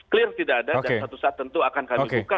clear tidak ada dan satu saat tentu akan kami buka